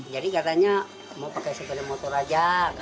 jadi katanya mau pakai sepeda motor aja